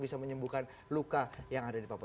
bisa menyembuhkan luka yang ada di papua